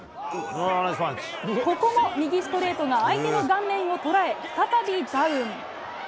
ここも右ストレートが相手の顔面を捉え、再びダウン。